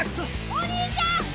お兄ちゃん。